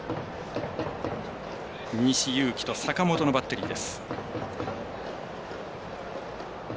西勇輝と坂本のバッテリー。